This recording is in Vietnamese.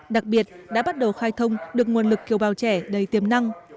đặc biệt đã bắt đầu khai thông được nguồn lực kiều bào trẻ đầy tiềm năng